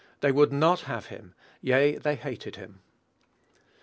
They would not have him; yea, they hated him.